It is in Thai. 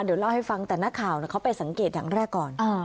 เดี๋ยวเล่าให้ฟังแต่นักข่าวเขาไปสังเกตอย่างแรกก่อน